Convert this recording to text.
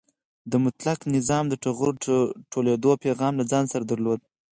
د مطلقه نظام د ټغر ټولېدو پیغام له ځان سره درلود.